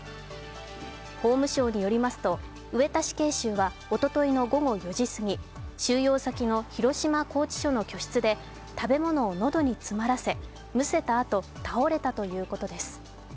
法務省によりますと上田死刑囚はおととい午後４時過ぎ収容先の広島拘置所の居室で食べ物を喉に詰まらせむせたあと、倒れたということです